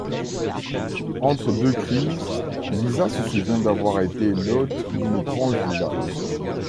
Entre deux crises, Lisa se souvient d'avoir été l'hôte d'une étrange villa.